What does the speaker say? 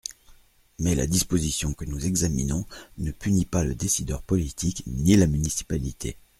Mais la disposition que nous examinons ne punit pas le décideur politique ni la municipalité.